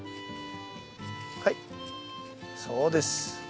はいそうです。